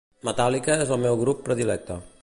Metallica és el meu grup predilecte.